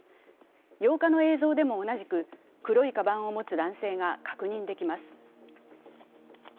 ８日の映像でも同じく、黒いかばんを持つ男性が確認できます。